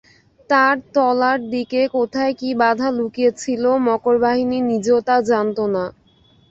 তার তলার দিকে কোথায় কী বাধা লুকিয়ে ছিল মকরবাহিনী নিজেও তা জানত না।